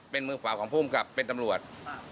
เป็นมือฝ่าของผู้กำกับเป็นตำรวจ